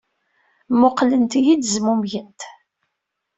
Mmuqqlent-iyi-d, zmumgent.